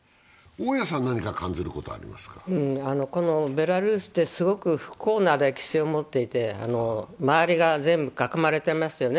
ベラルーシってすごく不幸な歴史を持っていて、周りが全部囲まれてますよね。